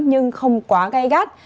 nhưng không quá gai gắt